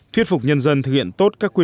thuyết phục nhân dân thực hiện tốt các quyền